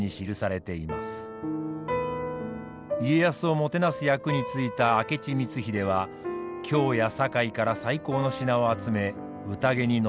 家康をもてなす役についた明智光秀は京や堺から最高の品を集め宴に臨みました。